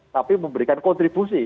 tapi memberikan kontribusi